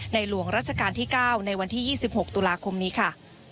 หลวงรัชกาลที่๙ในวันที่๒๖ตุลาคมนี้ค่ะ